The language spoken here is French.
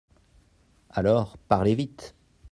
Alors, parlez vite.